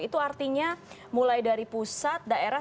itu artinya mulai dari pusat daerah